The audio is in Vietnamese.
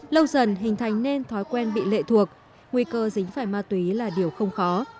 lâu dần hình thành nên thói quen bị lệ thuộc nguy cơ dính phải ma túy là điều không khó